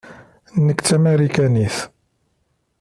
Nekk d Tamarikanit.